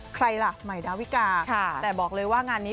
ใครล่ะใหม่ดาวิกาแต่บอกเลยว่างานนี้